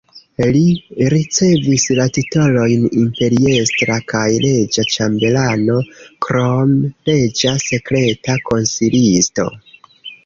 Li ricevis la titolojn imperiestra kaj reĝa ĉambelano, krome reĝa sekreta konsilisto.